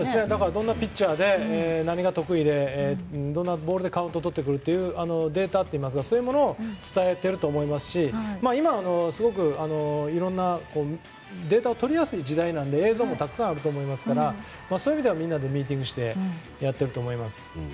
どんなピッチャーで何が得意で、どんなボールでカウントをとってくるというデータなどを伝えていると思いますし今、すごくいろんなデータを取りやすい時代なので映像もたくさんあると思いますからみんなでミーティングしてやっていると思います。